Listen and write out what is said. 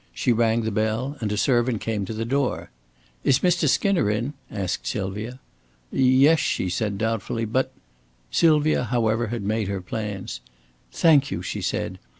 She rang the bell, and a servant came to the door. "Is Mr. Skinner in?" asked Sylvia. "Yes," she said, doubtfully, "but " Sylvia, however, had made her plans. "Thank you," she said.